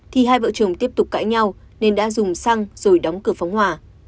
thì hai vợ chồng tiếp tục cãi nhau nên đã dùng xăng rồi đóng cửa phóng hòa